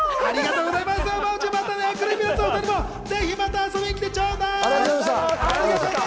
また、ぜひ遊びに来てちょうだい。